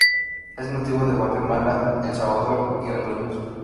Es nativo de Guatemala, El Salvador, y Honduras.